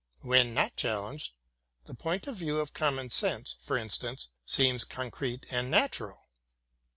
When not challenged, the point of view of common sense, for instance, seems concrete and natural.